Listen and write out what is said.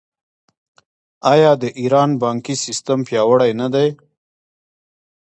آیا د ایران بانکي سیستم پیاوړی نه دی؟